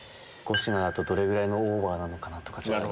５品だとどれぐらいのオーバーなのかなと。